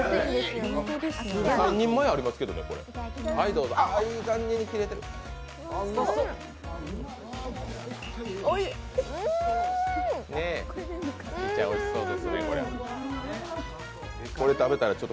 ３人前ありますけどね、これ。